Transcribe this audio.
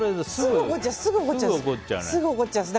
すぐ怒っちゃうんです。